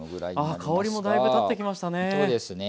あ香りもだいぶ立ってきましたね。